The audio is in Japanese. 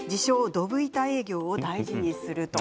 どぶ板営業を大事にする。